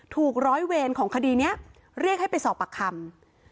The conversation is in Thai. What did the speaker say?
ถูกร้อยเวรของคดีนี้เรียกให้ไปสอบปากคำ